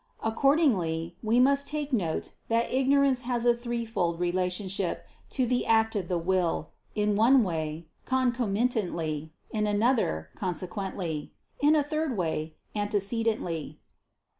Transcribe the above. Accordingly, we must take note that ignorance has a threefold relationship to the act of the will: in one way, "concomitantly"; in another, "consequently"; in a third way, "antecedently."